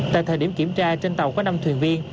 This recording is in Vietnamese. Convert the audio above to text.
tại thời điểm kiểm tra trên tàu có năm thuyền viên